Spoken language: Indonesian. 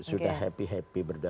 sudah happy happy berdua